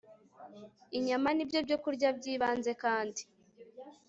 inyama ni byo byokurya byibanze kandi